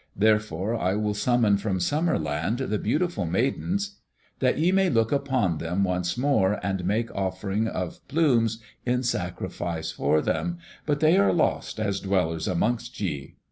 Therefore I will summon from Summer land the beautiful Maidens that ye may look upon them once more and make offering of plumes in sacrifice for them, but they are lost as dwellers amongst ye."